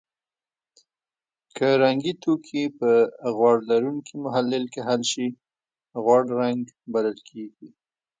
که رنګي توکي په غوړ لرونکي محلل کې حل شي غوړ رنګ بلل کیږي.